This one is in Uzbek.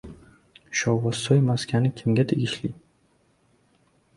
«Shovvozsoy» maskani kimga tegishli?